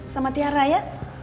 sama tiara ya